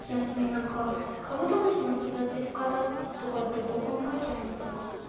なんかカブトムシのそだてかたとかってここにかいてありますか？